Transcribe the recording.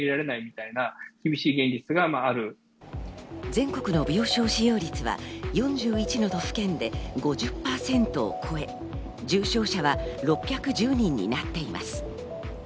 全国の病床使用率は４１の都府県で５０％を超え、重症者は６１０人になっています。